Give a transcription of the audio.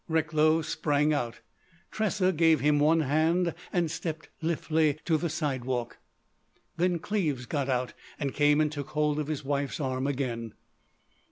Recklow sprang out; Tressa gave him one hand and stepped lithely to the sidewalk. Then Cleves got out and came and took hold of his wife's arm again.